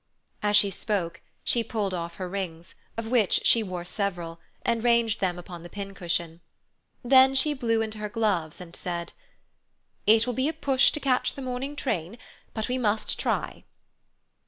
As she spoke, she pulled off her rings, of which she wore several, and ranged them upon the pin cushion. Then she blew into her gloves and said: "It will be a push to catch the morning train, but we must try."